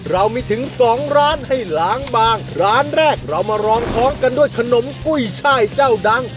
เรามีถึงสองร้านให้ล้างบางร้านแรกเรามารองท้องกันด้วยขนมกุ้ยช่ายเจ้าดัง